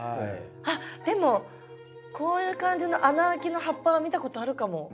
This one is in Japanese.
あっでもこういう感じの穴開きの葉っぱは見たことあるかも。